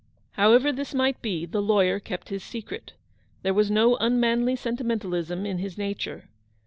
However this might be, the lawyer kept his secret. There was no unmanly sentimentalism in his nature.